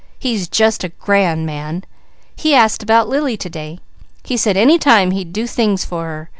He's just a grand man. He asked about Lily to day. He said any time he'd do things for her.